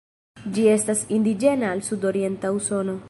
Ĝi estas indiĝena al Sud-orienta Usono.